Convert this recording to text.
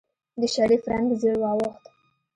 د شريف رنګ زېړ واوښت.